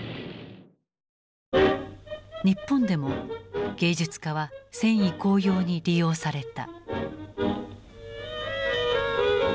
日本でも芸術家は戦意高揚に利用された。